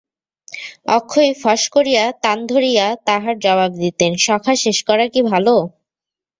অক্ষয় ফস করিয়া তান ধরিয়া তাহার জবাব দিতেন– সখা শেষ করা কি ভালো?